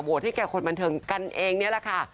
ให้แก่คนบันเทิงกันเองนี่แหละค่ะ